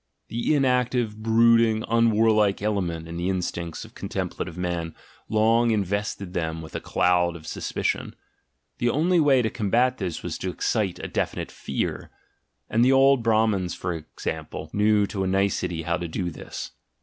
The inactive, brooding, un warlike element in the instincts of contemplative men long invested them with a cloud of suspicion: the only way to combat this was to excite a definite fear. And the old Brahmans, for example, knew to a nicety how to do this!